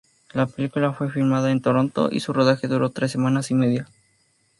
La película fue filmada en Toronto y su rodaje duró tres semanas y media.